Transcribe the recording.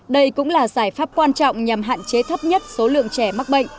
đây cũng là giải pháp quan trọng nhằm hạn chế thấp nhất số lượng trẻ mắc bệnh